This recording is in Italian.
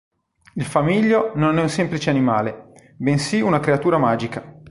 Il famiglio non è un semplice animale, bensì una creatura magica.